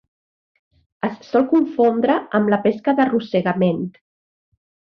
Es sol confondre amb la pesca d'arrossegament.